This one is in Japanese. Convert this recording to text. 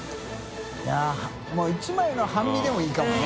い笋もう１枚の半身でもいいかもね。